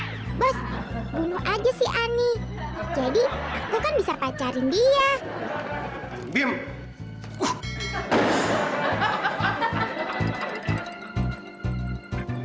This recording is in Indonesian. hai hai bos bunuh aja sih ani jadi aku kan bisa pacarin dia bingung